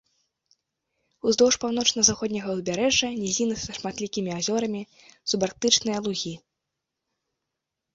Уздоўж паўночна-заходняга ўзбярэжжа нізіны са шматлікімі азёрамі, субарктычныя лугі.